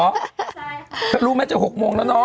ใช่รู้ไหมจะ๖โมงแล้วเนาะ